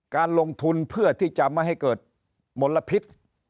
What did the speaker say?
การลงทุนเพื่อที่จะไม่ให้เกิดมลพิษ